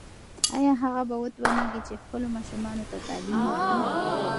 ایا هغه به وتوانیږي چې خپلو ماشومانو ته تعلیم ورکړي؟